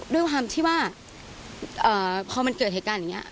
ด้วยความที่ว่าพอมันเกิดเหตุการณ์อย่างนี้